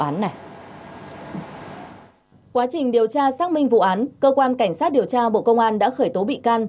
quá trình điều tra xác minh vụ án cơ quan cảnh sát điều tra bộ công an đã khởi tố bị can